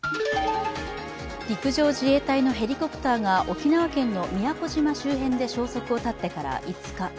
陸上自衛隊のヘリコプターが沖縄県の宮古島周辺で消息を絶ってから５日。